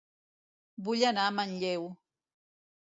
Vull anar a Manlleu